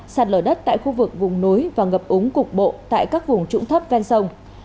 sạt lở đất tại khu vực vùng núi và ngập úng cục bộ tại các vùng trũng thấp ven sông